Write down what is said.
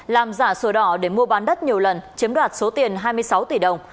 làm giả sổ đỏ để mua bán đất nhiều lần chiếm đoạt số tiền hai mươi sáu tỷ đồng